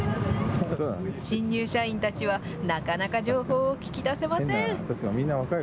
新入社員たちは、なかなか情報を聞き出せません。